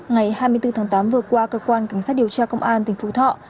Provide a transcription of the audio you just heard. ngày hai mươi bốn tháng tám vừa qua cơ quan cảnh sát điều tra công an tỉnh phú thọ